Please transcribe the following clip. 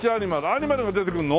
アニマルが出てくるの？